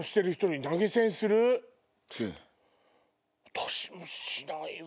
私もしないわ。